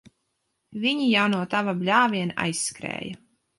Viņi jau no tava bļāviena aizskrēja.